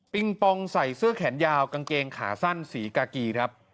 ปองใส่เสื้อแขนยาวกางเกงขาสั้นสีกากีครับ